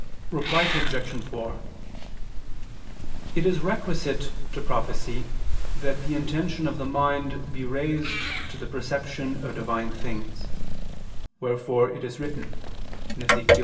Reply Obj. 4: It is requisite to prophecy that the intention of the mind be raised to the perception of Divine things: wherefore it is written (Ezech.